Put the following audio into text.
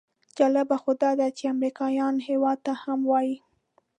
جالبه خو داده چې امریکایان هېواد ته هم وایي.